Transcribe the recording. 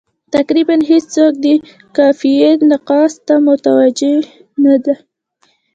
تقریبا هېڅوک د قافیې نقص ته متوجه نه دي.